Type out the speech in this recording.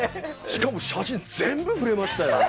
しかも、写真全部触れましたよね。